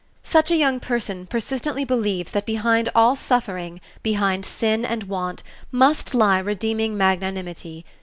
Such a young person persistently believes that behind all suffering, behind sin and want, must lie redeeming magnanimity.